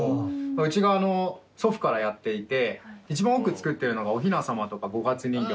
うちが祖父からやっていて一番多く作ってるのがおひなさまとか五月人形の後ろの飾り。